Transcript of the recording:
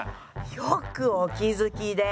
よくお気付きで！